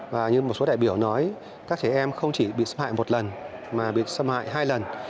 và như một số đại biểu nói các trẻ em không chỉ bị xâm hại một lần mà bị xâm hại hai lần